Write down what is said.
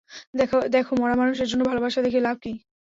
দেখো মরা মানুষের জন্য ভালোবাসা দেখিয়ে লাভ কী?